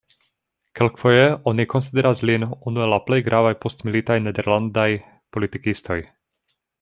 Kelkfoje oni konsideras lin unu el la plej gravaj postmilitaj nederlandaj politikistoj.